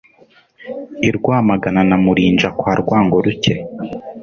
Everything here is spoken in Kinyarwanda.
I Rwamagana na Murinja kwa Rwango-ruke,